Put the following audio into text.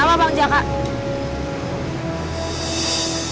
aku mau nikah sama jaka sekarang